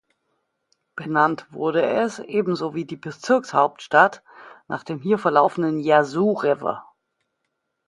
Benannt wurde es, ebenso wie die Bezirkshauptstadt, nach dem hier verlaufenden Yazoo River.